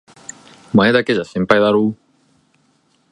お前だけじゃ心配だろう？